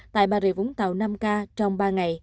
tại bà rịa vũng tàu năm ca trong ba ngày